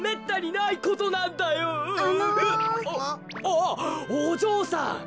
あっおじょうさん。